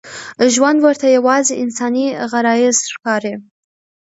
ژوند ورته یوازې انساني غرايز ښکاري.